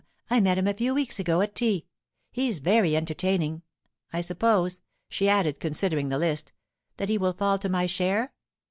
I met him a few weeks ago at a tea; he's very entertaining. I suppose,' she added, considering the list, 'that he will fall to my share?